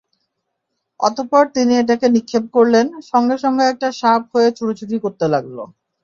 অতঃপর তিনি এটাকে নিক্ষেপ করলেন, সঙ্গে সঙ্গে এটা সাপ হয়ে ছুটাছুটি করতে লাগল।